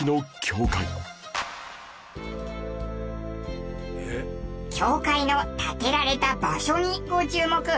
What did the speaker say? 教会の建てられた場所にご注目！